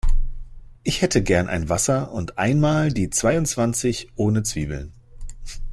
Ich hätte gern ein Wasser und einmal die zweiundzwanzig ohne Zwiebeln.